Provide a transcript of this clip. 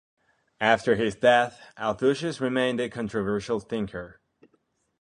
After his death, Althusius remained a controversial thinker.